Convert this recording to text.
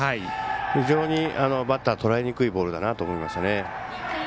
非常にバッターはとらえにくいボールだと思いましたね。